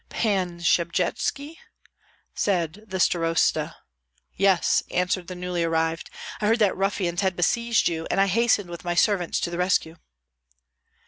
"Pan Shchebjytski?" said the starosta. "Yes," answered the newly arrived. "I heard that ruffians had besieged you, and I hastened with my servants to the rescue."